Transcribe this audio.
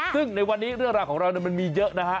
ซึ่งในวันนี้เรื่องราวของเรามันมีเยอะนะฮะ